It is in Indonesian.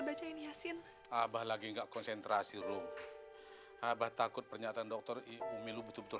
baca ini hasin abah lagi enggak konsentrasi rum abah takut pernyataan dokter ibu milu betul betul